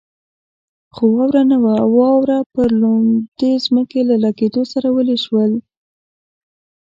خو واوره نه وه، واوره پر لوندې ځمکې له لګېدو سره ویلې شول.